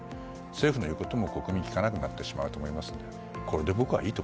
政府の言うことも国民は聞かなくなってしまうと思います。